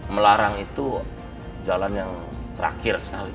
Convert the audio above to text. melarang itu jalan yang terakhir sekali